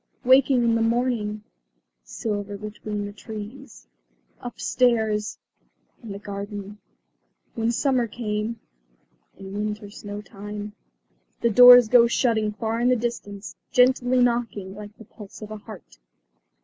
"Waking in the morning " "Silver between the trees " "Upstairs " "In the garden " "When summer came " "In winter snowtime " The doors go shutting far in the distance, gently knocking like the pulse of a heart.